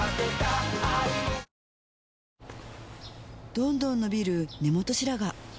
どんどん伸びる根元白髪